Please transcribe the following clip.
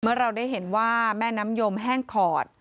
เราได้เห็นว่าแม่น้ำยมแห้งขอด